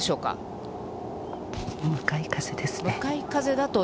向かい風ですね。